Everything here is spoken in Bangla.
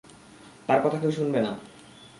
তার কথা কেউ শুনবে না।